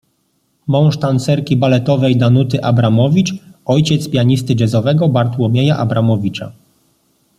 Mąż tancerki baletowej Danuty Abramowicz - ojciec pianisty jazzowego Bartłomieja Abramowicza.